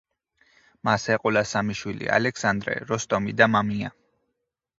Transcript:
მას ეყოლა სამი შვილი: ალექსანდრე, როსტომი და მამია.